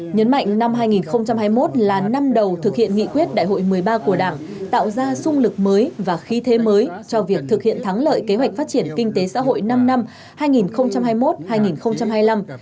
nhấn mạnh năm hai nghìn hai mươi một là năm đầu thực hiện nghị quyết đại hội một mươi ba của đảng tạo ra sung lực mới và khí thế mới cho việc thực hiện thắng lợi kế hoạch phát triển kinh tế xã hội năm năm hai nghìn hai mươi một hai nghìn hai mươi năm